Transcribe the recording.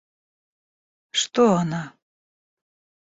Что она?